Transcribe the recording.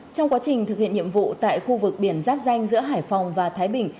trong quá trình thực hiện nhiệm vụ tại khu vực biển giáp danh giữa hải phòng và thái bình